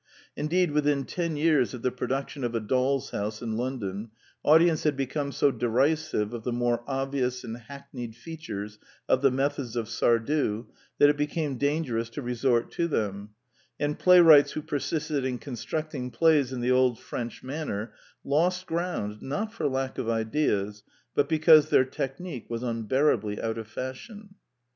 Indeed within ten years of the production of A Doll's House in London, audiences had become so derisive of the more obvious and hackneyed features of the methods of Sardou that it became dangerous to resort to them ; and playwrights who persisted in " con structing" plays in the old French manner lost ground not for lack of ideas, but because their technique was unbearably out of fashion.